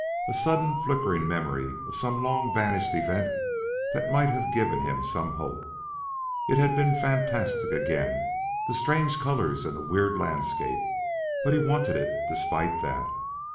A sudden flickering memory of some long vanished event that might have given him some hope. It had been fantastic again, the strange colors and the weird landscape, but he wanted it despite that.